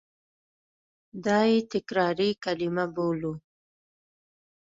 دا یې تکراري کلیمه بولو.